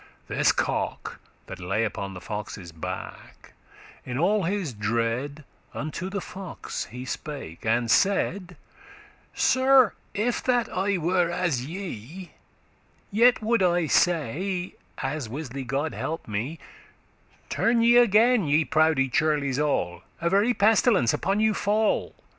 This cock, that lay upon the fox's back, In all his dread unto the fox he spake, And saide, "Sir, if that I were as ye, Yet would I say (as wisly* God help me), *surely 'Turn ye again, ye proude churles all; A very pestilence upon you fall.